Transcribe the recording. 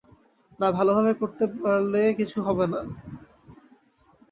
না, ভালোভাবে করতে পারলে কিছু হবে না।